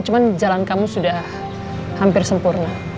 cuma jalan kamu sudah hampir sempurna